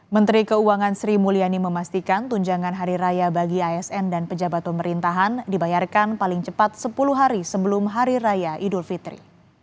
menteri keuangan sri mulyani memastikan tunjangan hari raya bagi asn dan pejabat pemerintahan dibayarkan paling cepat sepuluh hari sebelum hari raya idul fitri